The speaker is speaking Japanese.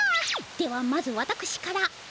ではまずわたくしから。